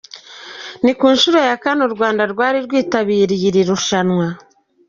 Ni ku nshuro ya kane u Rwanda rwari rwitabiriye iri rushanwa.